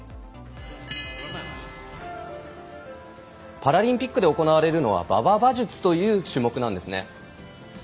パラリンピックで行われるのは馬場馬術という種目なんですね。